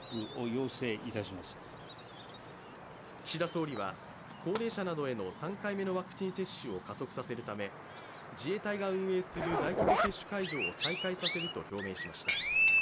岸田総理は高齢者などへの３回目のワクチン接種を加速させるため自衛隊が運営する大規模接種会場を再開させると表明しました。